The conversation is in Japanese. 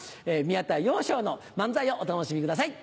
宮田陽・昇の漫才をお楽しみください